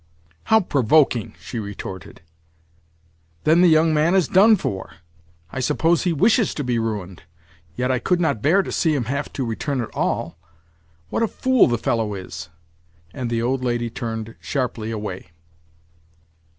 "How provoking!" she retorted. "Then the young man is done for! I suppose he wishes to be ruined. Yet I could not bear to see him have to return it all. What a fool the fellow is!" and the old lady turned sharply away.